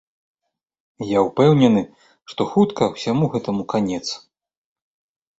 Я ўпэўнены, што хутка ўсяму гэтаму канец.